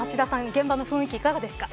現場の雰囲気いかがですか。